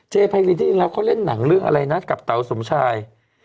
ไพรินที่จริงแล้วเขาเล่นหนังเรื่องอะไรนะกับเต๋าสมชาย